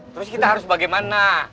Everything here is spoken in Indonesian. terus kita harus bagaimana